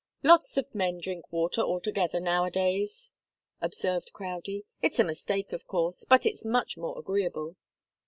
"Lots of men drink water altogether, nowadays," observed Crowdie. "It's a mistake, of course, but it's much more agreeable."